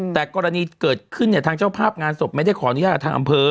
แต่กรณีเกิดขึ้นเนี่ยทางเจ้าภาพงานศพไม่ได้ขออนุญาตทางอำเภอ